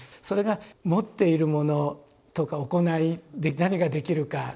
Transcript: それが持っているものとか行いで何ができるか。